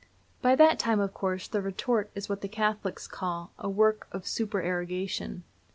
By that time, of course, the retort is what the Catholics call "a work of supererogation."